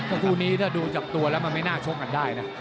คู่นี้ถ้าดูจากตัวแล้วมันไม่น่าชกกันได้นะ